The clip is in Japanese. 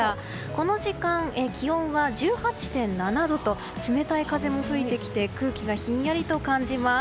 この時間、気温は１８．７度と冷たい風も吹いてきて空気がひんやりと感じます。